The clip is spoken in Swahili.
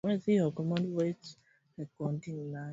iringa ni kitovu kikuu cha utalii nyanda za juu kusini